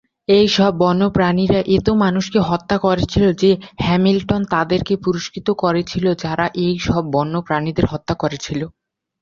এই সব বন্য প্রাণীরা এত মানুষকে হত্যা করেছিল, যে হ্যামিল্টন তাদেরকে পুরস্কৃত করেছিল যারা এই সব বন্য প্রাণীদের হত্যা করেছিল।